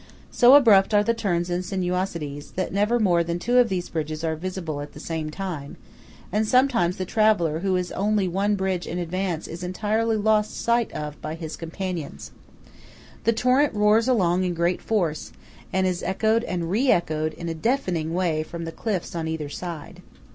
So abrupt are the turns and sinuosities, that never more than two of these bridges are visible at the same time, and sometimes the traveller who is only one bridge in advance is entirely lost sight of by his companions. The torrent roars along in great force, and is echoed and re echoed in a deafening way from the cliffs on either side.